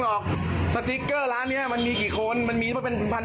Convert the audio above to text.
ก็ใครจะรู้พี่พี่ก็หัวอยู่บ้านยัง